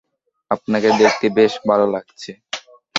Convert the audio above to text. আপনাকে দেখতে বেশ ভালো লাগছে।